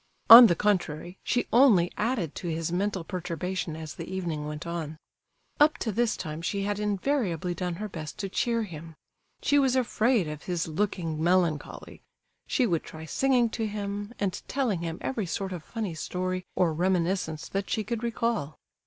On the contrary, she only added to his mental perturbation as the evening went on. Up to this time she had invariably done her best to cheer him—she was afraid of his looking melancholy; she would try singing to him, and telling him every sort of funny story or reminiscence that she could recall.